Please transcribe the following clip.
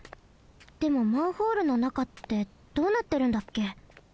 でもマンホールのなかってどうなってるんだっけ？